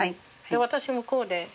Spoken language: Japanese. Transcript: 私向こうで。